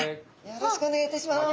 よろしくお願いします。